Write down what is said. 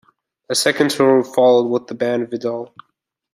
A second tour followed with the band Vidoll.